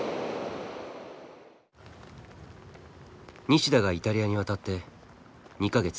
西田がイタリアに渡って２か月。